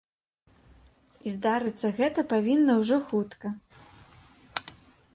І здарыцца гэта павінна ўжо хутка.